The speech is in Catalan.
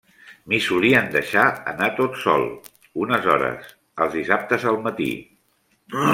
M'hi solien deixar anar tot sol, unes hores, els dissabtes al matí.